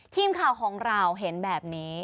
ทีมข่าวของเราเห็นแบบนี้